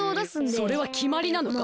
それはきまりなのか？